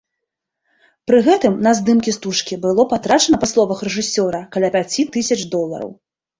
Пры гэтым на здымкі стужкі было патрачана, па словах рэжысёра, каля пяці тысяч долараў.